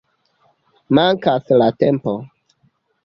Mankas la tempo.